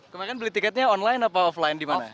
kemarin beli tiketnya online atau offline di mana